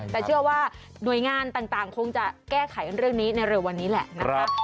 แต่เชื่อว่าหน่วยงานต่างคงจะแก้ไขเรื่องนี้ในเร็ววันนี้แหละนะคะ